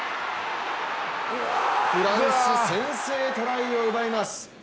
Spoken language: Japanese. フランス、先制トライを奪います。